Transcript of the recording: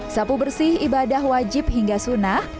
sapu bersih ibadah wajib hingga sunnah